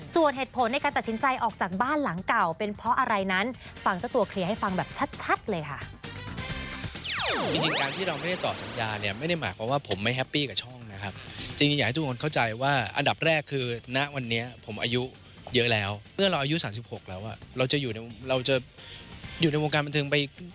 ส่วนเหตุผลในการตัดชินใจออกจากบ้านหลังเก่าเป็นเพราะอะไรนั้น